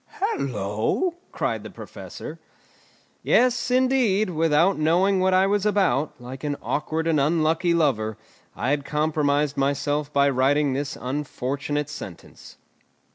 "Hallo!" cried the Professor. Yes, indeed, without knowing what I was about, like an awkward and unlucky lover, I had compromised myself by writing this unfortunate sentence.